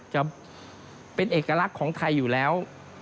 จะเป็นเอกลักษณ์ของไทยอยู่แล้ว